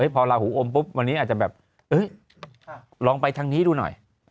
พอลาหูอมปุ๊บวันนี้อาจจะแบบลองไปทางนี้ดูหน่อย